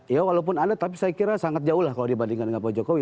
ya walaupun ada tapi saya kira sangat jauh lah kalau dibandingkan dengan pak jokowi